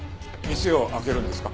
店を開けるんですか？